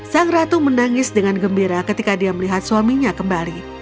sang ratu menangis dengan gembira ketika dia melihat suaminya kembali